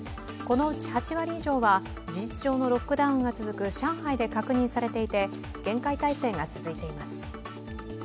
このうち８割以上は事実上のロックダウンが続く上海で確認されていて、厳戒態勢が続いています。